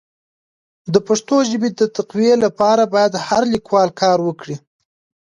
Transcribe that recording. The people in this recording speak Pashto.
د پښتو ژبي د تقويي لپاره باید هر لیکوال کار وکړي.